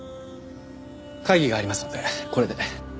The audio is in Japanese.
会議がありますのでこれで。